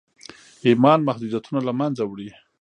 ایمان محدودیتونه له منځه وړي او ورکوي یې